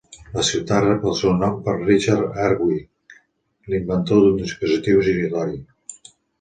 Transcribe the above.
La ciutat rep el seu nom per Richard Arkwright, l'inventor d'un dispositiu giratori.